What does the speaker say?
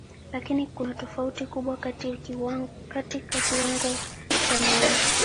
Lakini kuna tofauti kubwa katika kiwango cha maisha